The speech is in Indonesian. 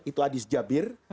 itu hadis jabir